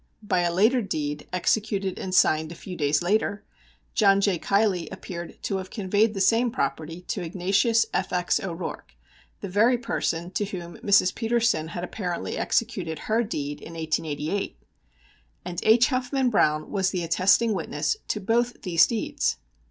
By a later deed, executed and signed a few days later, John J. Keilly appeared to have conveyed the same property to Ignatius F. X. O'Rourke, the very person to whom Mrs. Petersen had apparently executed her deed in 1888. And H. Huffman Browne was the attesting witness to both these deeds!